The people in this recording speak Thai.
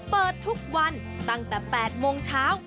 เปิดทุกวันตั้งแต่๘โมงเช้า